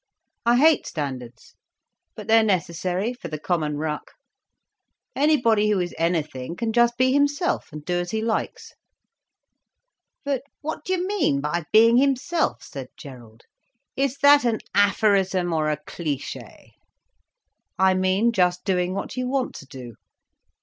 I hate standards. But they're necessary for the common ruck. Anybody who is anything can just be himself and do as he likes." "But what do you mean by being himself?" said Gerald. "Is that an aphorism or a cliché?" "I mean just doing what you want to do.